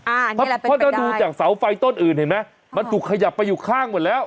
อ่านี่แหละเป็นไปได้เพราะถ้าดูจากเสาไฟต้นอื่นเห็นไหมมันถูกขยับไปอยู่ข้างหมดแล้ว